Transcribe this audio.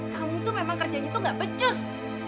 kamu tuh memang kerjanya tuh gak becus